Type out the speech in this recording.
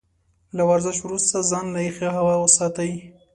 له ورزش وروسته ځان له يخې هوا وساتئ.